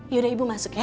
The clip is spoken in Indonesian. yaudah ibu masuk ya